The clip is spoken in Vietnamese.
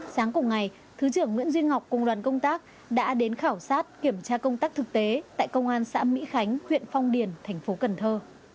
sáng cùng ngày thứ trưởng nguyễn duy ngọc cùng đoàn công tác đã đến khảo sát kiểm tra công tác thực tế tại công an xã mỹ khánh huyện phong điền thành phố cần thơ